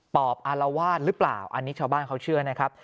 อบอารวาสหรือเปล่าอันนี้ชาวบ้านเขาเชื่อนะครับ